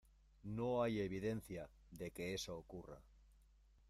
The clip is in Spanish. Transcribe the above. no hay evidencia de que eso ocurra.